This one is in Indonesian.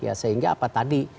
ya sehingga apa tadi